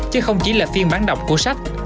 chứ không chỉ là phiên bán đọc của sách